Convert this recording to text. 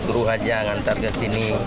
guru saja nganter ke sini